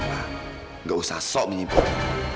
tidak usah sok menyimpulkan